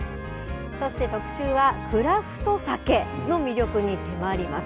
そして特集は、クラフトサケの魅力に迫ります。